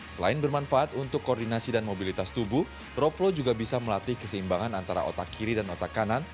selain bermanfaat untuk koordinasi dan mobilitas tubuh rope flow juga bisa melatih keseimbangan antara otak kiri dan otak kanan